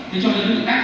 thế cho nên nó bị cắt